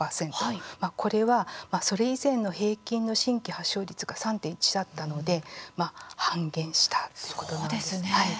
これは、それ以前の平均の新規発症率が３．１だったので半減したということなんです。